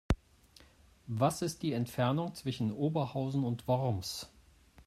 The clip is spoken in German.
Was ist die Entfernung zwischen Oberhausen und Worms?